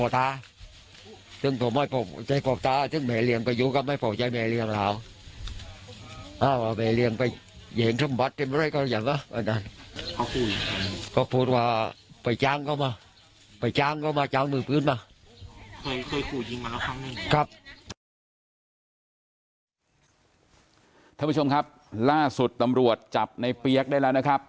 ท่านผู้ชมครับล่าสุดตำรวจจับในเปี๊ยกได้แล้วนะครับ